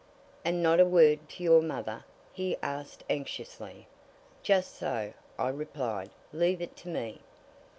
"And not a word to your mother?" he asked anxiously. "Just so," I replied. "Leave it to me."